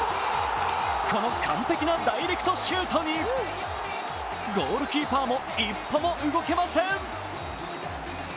この完璧なダイレクトシュートにゴールキーパーも一歩も動けません。